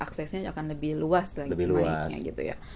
aksesnya akan lebih luas lagi